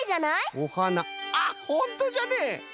おはなあっほんとじゃね！